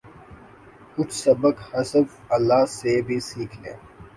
کچھ سبق حزب اللہ سے بھی سیکھ لیں۔